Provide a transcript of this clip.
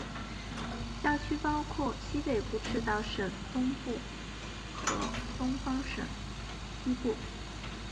教区包括该国西北部赤道省东部和东方省西部。